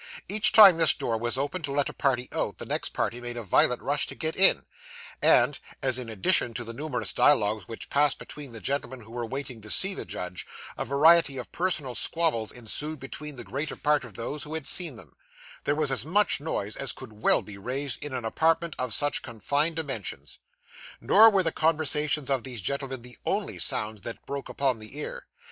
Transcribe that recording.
Every time this door was opened to let a party out, the next party made a violent rush to get in; and, as in addition to the numerous dialogues which passed between the gentlemen who were waiting to see the judge, a variety of personal squabbles ensued between the greater part of those who had seen him, there was as much noise as could well be raised in an apartment of such confined dimensions. Nor were the conversations of these gentlemen the only sounds that broke upon the ear.